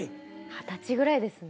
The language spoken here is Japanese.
二十歳ぐらいですね。